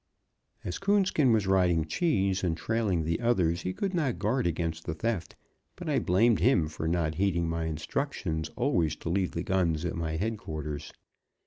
As Coonskin was riding Cheese and trailing the others he could not guard against the theft, but I blamed him for not heeding my instructions always to leave the guns at my headquarters.